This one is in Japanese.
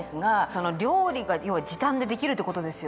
その料理が要は時短でできるってことですよね。